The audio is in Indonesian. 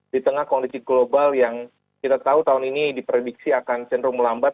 di tengah kondisi global yang kita tahu tahun ini diprediksi akan cenderung melambat